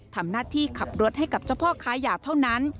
ทำหน้าที่ขับรถให้กับเจ้าพ่อค้ายาเท่านั้น